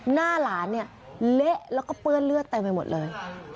หน้าหลานเนี่ยเละแล้วก็เปื้อนเลือดเต็มไปหมดเลย